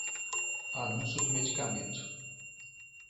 Anúncio do medicamento